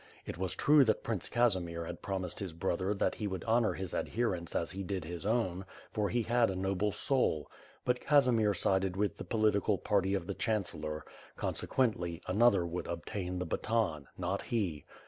It was true that Prince Casimir had promised his brother that he would honor his adherents as he did his own, for he had a noble soul. But Casimir sided with the political party of the chancellor, consequently, another would obtain the baton, not he.